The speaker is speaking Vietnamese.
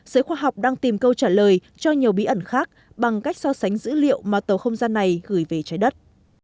giới khoa học đang tìm câu trả lời cho nhiều bí ẩn khác bằng cách so sánh dữ liệu mà tàu không gian này gửi về trái đất